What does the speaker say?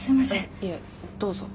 いえどうぞ。